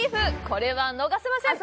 これは逃せません！